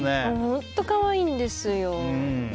本当に可愛いんですよ。